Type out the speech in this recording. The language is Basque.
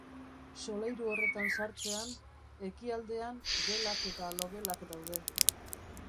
Solairu horretan sartzean, ekialdean gelak eta logelak daude.